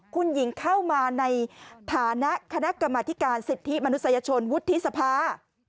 คุณหญิงเข้ามาในฐานะคณะกรรมธิการสิทธิมนุษยชนวุฒิสภา